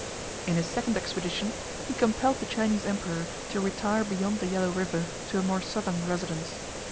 In his second expedition, he compelled the Chinese emperor to retire beyond the yellow river to a more southern residence.